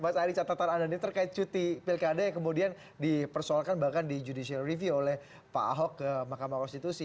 mas ari catatan anda ini terkait cuti pilkada yang kemudian dipersoalkan bahkan di judicial review oleh pak ahok ke mahkamah konstitusi